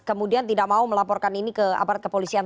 kemudian tidak mau melaporkan ini ke aparat kepolisian